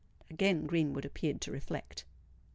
Again Greenwood appeared to reflect.